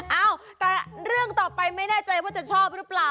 เอ้าแต่เรื่องต่อไปไม่แน่ใจว่าจะชอบหรือเปล่า